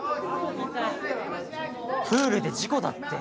プールで事故だって。